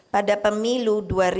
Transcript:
pada pemilu dua ribu sembilan belas